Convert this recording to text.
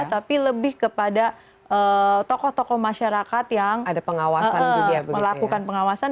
tapi lebih kepada tokoh tokoh masyarakat yang ada pengawasan